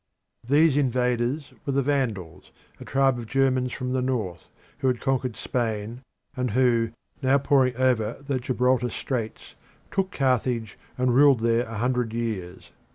These invaders were the Vandals, a tribe of Germans from the North who had conquered Spain and who, now pouring over the Gibraltar Straits, took Carthage and ruled there a hundred years.